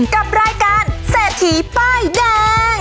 กับรายการเสถีบ้ายแดง